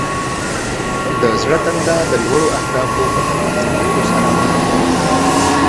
د زړه تنده د لوړو اهدافو په ترلاسه کولو سره ماته کیږي.